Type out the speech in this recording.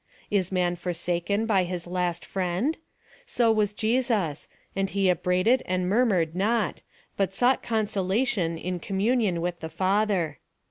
Is man forsaken by his last friend ? So was Jesus ; and he upbraided and murmured not, but sought a^.nsolation in com munion with the Father.